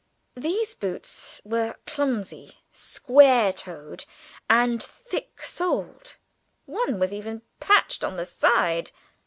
These boots were clumsy, square toed, and thick soled; one was even patched on the side.